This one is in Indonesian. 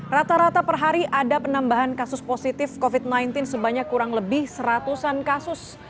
rata rata per hari ada penambahan kasus positif covid sembilan belas sebanyak kurang lebih seratusan kasus